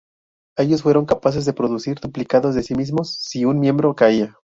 Ellos fueron capaces de producir duplicados de sí mismos si en miembro caía.